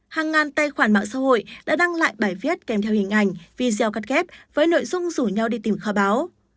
hàng ngàn tài khoản mạng xã hội đã đăng lại bài viết kèm theo hình ảnh video cắt ghép với nội dung rủ nhau đi tìm kho báo